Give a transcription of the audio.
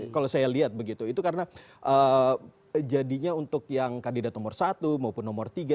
kalau saya lihat begitu itu karena jadinya untuk yang kandidat nomor satu maupun nomor tiga